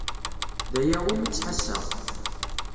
D aya umi ttḥassaɣ.